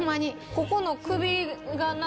ここの首がな